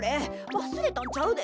わすれたんちゃうで。